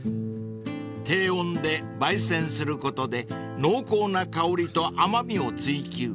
［低温で焙煎することで濃厚な香りと甘味を追求］